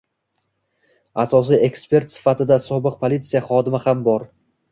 asosiy ekspert sifatida sobiq politsiya xodimi ham bor